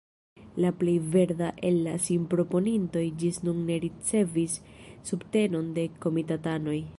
La plej verda el la sinproponintoj ĝis nun ne ricevis subtenon de komitatanoj.